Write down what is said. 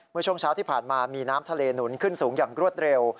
เมื่อช่วงเช้าที่ผ่านมามีน้ำทะเลหนุนขึ้นสูงอย่างรวดเร็ว